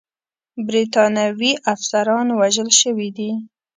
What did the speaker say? برټانوي افسران وژل شوي دي.